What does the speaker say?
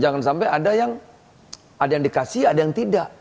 jangan sampai ada yang dikasih ada yang tidak